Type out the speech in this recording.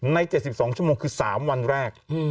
๗๒ชั่วโมงคือ๓วันแรก